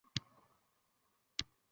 Onadan esa sado yo`q